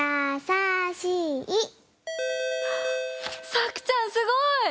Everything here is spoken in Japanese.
さくちゃんすごい！